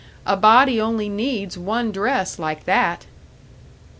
A body only needs one dress like that!"